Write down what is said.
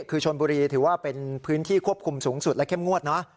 คือชนบุรีถือว่าเป็นพื้นที่ควบคุมสูงสุดและเข้มงวดเนอะ